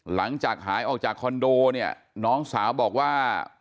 หลังจากหายออกจากคอนโดเนี่ยน้องสาวบอกว่า